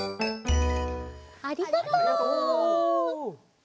ありがとう！